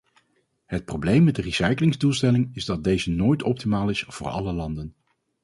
Het probleem met de recyclingsdoelstelling is dat deze nooit optimaal is voor alle landen.